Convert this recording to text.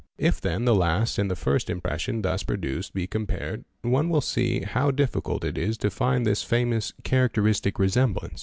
If then the Jast and the first impression thus produced be compared, one will see how difficult it is to find this_ famous "characteristic resemblance."